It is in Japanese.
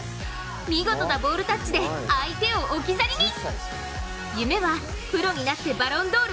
見事なボールタッチで相手を置き去りに。